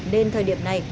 đến thời điểm này